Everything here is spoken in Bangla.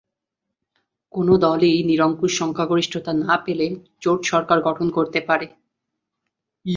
কোনো দলই নিরঙ্কুশ সংখ্যাগরিষ্ঠতা না পেলে জোট সরকার গঠন করতে পারে।